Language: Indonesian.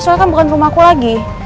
soalnya kan bukan rumahku lagi